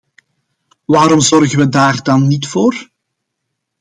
Waarom zorgen we daar dan niet voor?